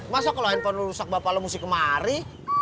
masa kalau hp lo rusak bapak lo mesti kemari